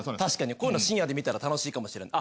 こういうの深夜で見たら楽しいかもしれない。